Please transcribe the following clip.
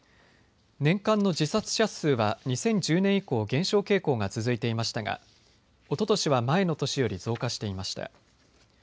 年間の自殺者数は２０１０年以降、減少傾向が続いていましたがおととしは前の年より増加していました。